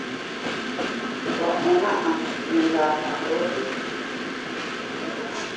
Wa ɔná a nɛ ndaaka ɗɔɔ́ dɔ̧ɔ̧́.